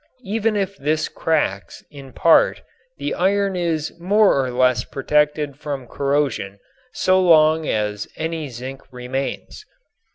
Even if this cracks in part the iron is more or less protected from corrosion so long as any zinc remains.